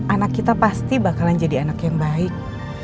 anak kita pasti bakalan jadi anak yang baik